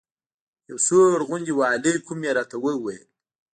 یو سوړ غوندې وعلیکم یې راته وویل.